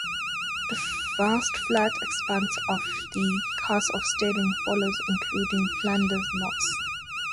The vast flat expanse of the Carse of Stirling follows including Flanders Moss.